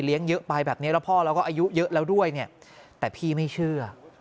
เยอะไปแบบนี้แล้วพ่อเราก็อายุเยอะแล้วด้วยเนี่ยแต่พี่ไม่เชื่อ